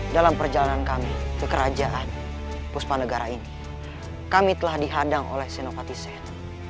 dalam perjalanan kami ke kerajaan puspanegara ini kami telah dihadang oleh senopati sen